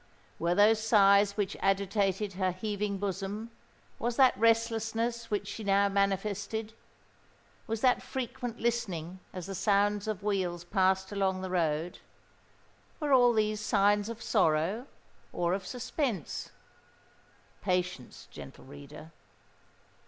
Were those sighs which agitated her heaving bosom,—was that restlessness which she now manifested,—was that frequent listening as the sounds of wheels passed along the road,—were all these signs of sorrow or of suspense? Patience, gentle reader.